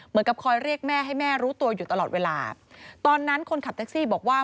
เหมือนกับคอยเรียกแม่ให้แม่รู้ตัวอยู่ตลอดเวลาตอนนั้นคนขับแท็กซี่บอกว่า